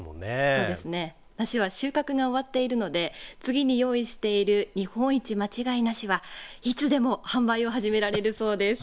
そうですね、梨の収穫が終わっているので次に用意している日本一まちがい梨はいつでも販売を始められるそうです。